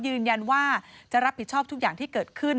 ยืนยันว่าจะรับผิดชอบทุกอย่างที่เกิดขึ้น